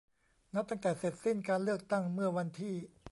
นับตั้งแต่เสร็จสิ้นการเลือกตั้งเมื่อวันที่